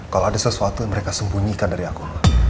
kalau ada sesuatu yang mereka sembunyikan dari aku